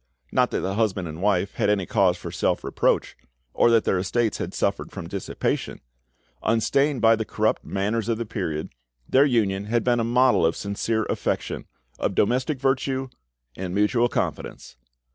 Not that the husband and wife had any cause for self reproach, or that their estates had suffered from dissipation; unstained by the corrupt manners of the period, their union had been a model of sincere affection, of domestic virtue and mutual confidence.